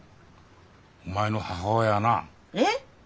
お前の母親はな。えっ？